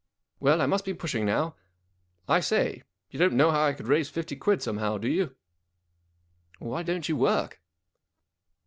Well, I must be pushing now. I say, you don't know how I could raise fifty quid somehow, do you ?"" Why don't you work